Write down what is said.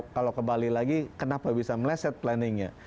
kalau kembali lagi kenapa bisa meleset planningnya